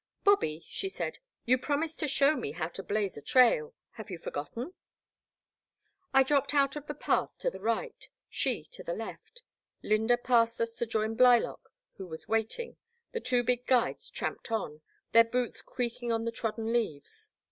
*' Bobby," she said, '* you promised to show me how to blaze a trail. Have you forgotten ?" The Black Water. 169 I dropped out of the path to the right, she to the left ; I^ynda passed us to join Blylock who was waiting, the two big guides tramped by, their boots creaking on the trodden leaves.